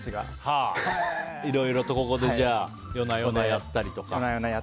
いろいろと夜な夜なやったりとか。